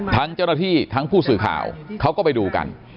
ทั้งเจ้าหน้าที่ทั้งผู้สื่อข่าวเขาก็ไปดูกัน